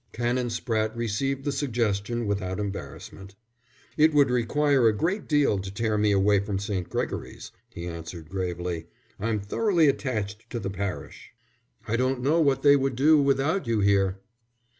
Canon Spratte received the suggestion without embarrassment. "It would require a great deal to tear me away from St. Gregory's," he answered, gravely. "I'm thoroughly attached to the parish." "I don't know what they would do without you here."